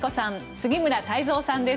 杉村太蔵さんです。